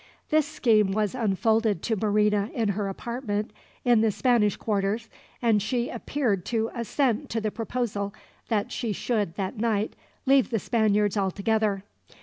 This scheme was unfolded to Marina in her apartment in the Spanish quarters, and she appeared to assent to the proposal that she should, that night, leave the Spaniards altogether.